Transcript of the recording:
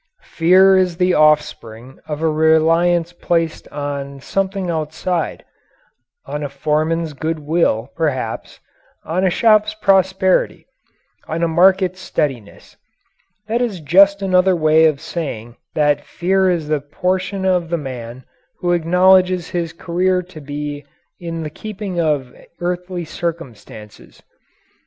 Fear is the offspring of a reliance placed on something outside on a foreman's good will, perhaps, on a shop's prosperity, on a market's steadiness. That is just another way of saying that fear is the portion of the man who acknowledges his career to be in the keeping of earthly circumstances.